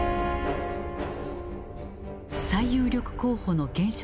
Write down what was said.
最有力候補の現職